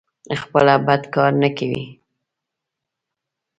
خپله بد کار نه کوي.